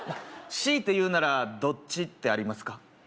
強いて言うならどっちってありますか？